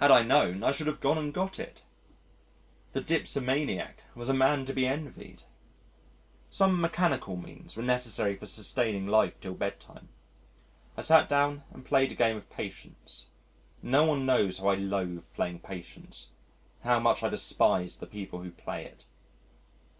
Had I known I should have gone and got it. The dipsomaniac was a man to be envied. Some mechanical means were necessary for sustaining life till bedtime. I sat down and played a game of Patience no one knows how I loathe playing Patience and how much I despise the people who play it.